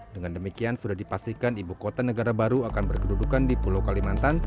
dengan demikian sudah dipastikan ibu kota negara baru akan berkedudukan di pulau kalimantan